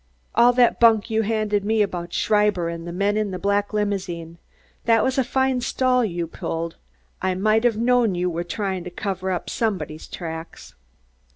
"All that bunk you handed me about Schreiber and the men in the black limousine. That was a fine stall you pulled. I might have known you was tryin' to cover up somebody's tracks."